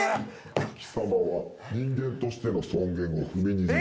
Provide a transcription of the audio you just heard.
貴様は人間としての尊厳を踏みにじり